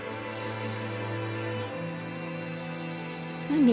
何？